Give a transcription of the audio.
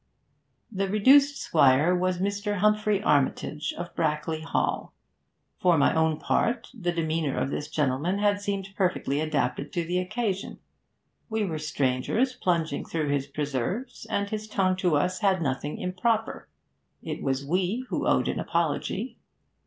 The reduced squire was Mr. Humphrey Armitage, of Brackley Hall. For my own part, the demeanour of this gentleman had seemed perfectly adapted to the occasion; we were strangers plunging through his preserves, and his tone to us had nothing improper; it was we who owed an apology.